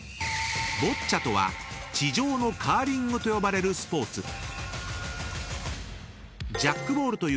［ボッチャとは地上のカーリングと呼ばれるスポーツ］